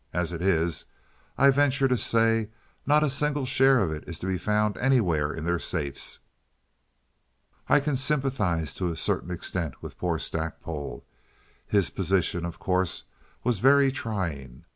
As it is, I venture to say not a single share of it is to be found anywhere in any of their safes. I can sympathize to a certain extent with poor Stackpole. His position, of course, was very trying.